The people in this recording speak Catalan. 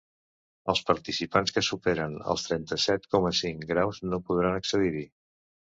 Els participants que superen els trenta-set coma cinc graus no podran accedir-hi.